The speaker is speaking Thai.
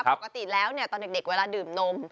ปกติแล้วตอนเด็กเวลาดื่มนม